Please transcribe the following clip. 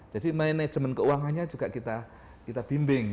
manajemen keuangannya juga kita bimbing